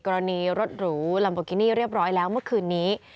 รถหรูลัมโบกินี่เรียบร้อยแล้วเมื่อคืนนี้